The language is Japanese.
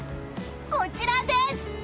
こちらです！